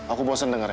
aku bosen denger ya